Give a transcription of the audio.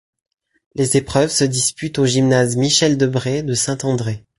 Les épreuves se disputent au gymnase Michel-Debré de Saint-André.